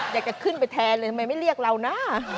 อยากจะขึ้นไปแทนเลยทำไมไม่เรียกเรานะ